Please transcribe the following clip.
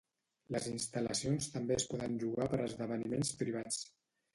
Les instal·lacions també es poden llogar per a esdeveniments privats.